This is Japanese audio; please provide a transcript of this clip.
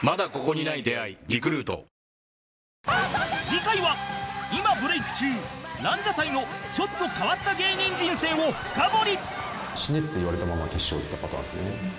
次回は今ブレーク中ランジャタイのちょっと変わった芸人人生を深掘り「死ね」って言われたまま決勝いったパターンですね。